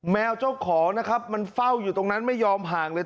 แมวเจ้าของนะครับมันเฝ้าอยู่ตรงนั้นไม่ยอมห่างเลย